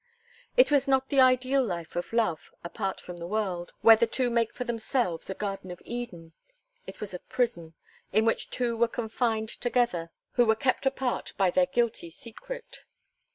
It was not the ideal life of love, apart from the world, where the two make for themselves a Garden of Eden; it was a prison, in which two were confined together who were kept apart by their guilty secret.